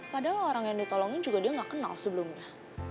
padahal orang yang ditolongin juga dia nggak kenal sebelumnya